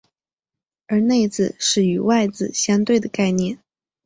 而内字是与外字相对的概念。